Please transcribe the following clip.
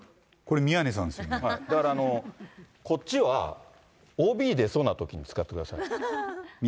だから、こっちはＯＢ出そうなときに使ってください。